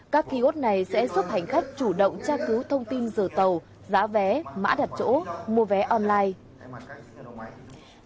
các ký ốt này sẽ giúp hành khách chủ động tra cứu thông tin giờ tàu giá vé mã đặt chỗ mua vé online